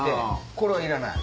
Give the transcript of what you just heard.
これはいらない？